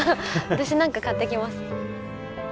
私何か買ってきます。